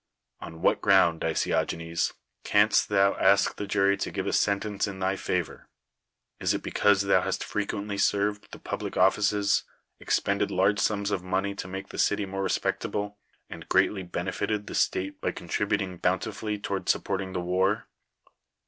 On what ground, Dic^i20genes, canst thou ask the jury to give a sentence in thy favor? Is it because thou hast frequently served the public offices ; expended large sums of money to make the city more respectable, and greatly benefited the state by contributing bountifully toward supporting the war?